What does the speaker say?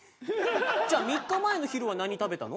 じゃあ３日前の昼は何食べたの？